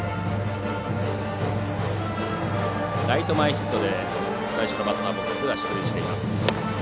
ライト前ヒットで最初のバッターボックスでは出塁しています。